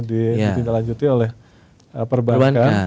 dipindah lanjuti oleh perbankan